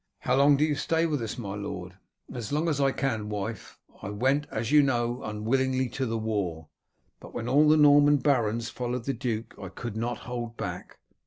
"How long do you stay with us, my lord?" "As long as I can, wife. I went, as you know, unwillingly to the war, but when all the Norman barons followed the duke I could not hold back.